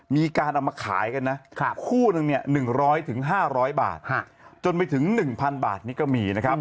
มีการเอามาขายกันนะคู่หนึ่ง๑๐๐๕๐๐บาทจนไปถึง๑๐๐บาทนี่ก็มีนะครับ